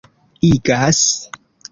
igas